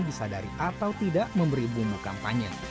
disadari atau tidak memberi bumbu kampanye